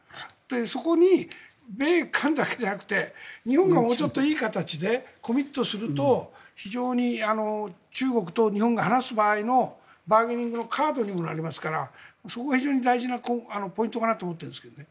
そこに米韓だけじゃなくて日本がもうちょっといい形でコミットすると非常に中国と日本が話す場合のバーゲニングのカードにもなりますからそこが非常に大事なポイントかなと思っているんですけどね。